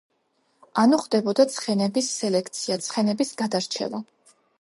ანუ ხდებოდა ცხენების სელექცია; ცხენების გადარჩევა.